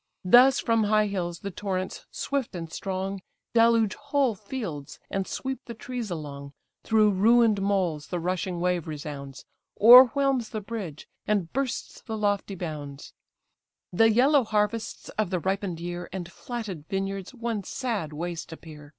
Thus from high hills the torrents swift and strong Deluge whole fields, and sweep the trees along, Through ruin'd moles the rushing wave resounds, O'erwhelm's the bridge, and bursts the lofty bounds; The yellow harvests of the ripen'd year, And flatted vineyards, one sad waste appear!